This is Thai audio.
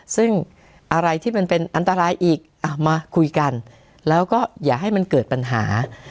ซึ่งอะไรที่มันเป็นอันตรายอีกมาคุยกันแล้วก็อย่าให้มันเกิดปัญหา